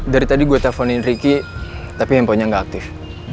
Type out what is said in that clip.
dari tadi gue teleponin ricky tapi handphonenya nggak aktif